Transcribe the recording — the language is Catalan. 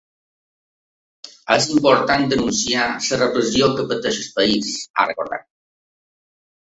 És important denunciar la repressió que pateix el país, ha recordat.